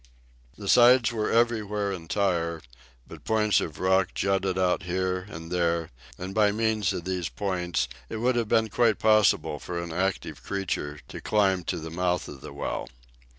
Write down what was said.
The sides were everywhere entire; but points of rock jutted out here and there, and by means of these points it would have been quite possible for an active creature to climb to the mouth of the well.